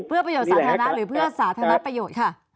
เพื่อประโยชน์สาธารณะหรือเพื่อสาธารณประโยชน์ค่ะ